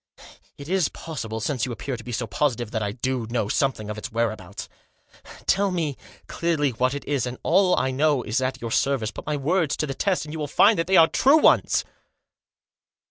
It is possible, since you appear to be so positive, that I do know something of its whereabouts. Tell me, clearly, what it is, and all I know is at your service. Put my words to the test, and you will find that they are true ones."